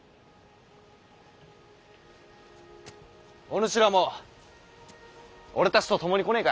お主らも俺たちと共に来ねえか？